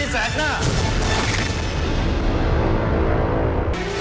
แสนหน้า